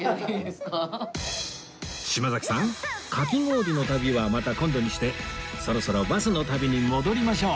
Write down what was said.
島崎さんかき氷の旅はまた今度にしてそろそろバスの旅に戻りましょう